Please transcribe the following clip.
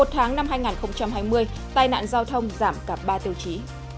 một mươi một tháng năm hai nghìn hai mươi tai nạn giao thông giảm cả ba tiêu chí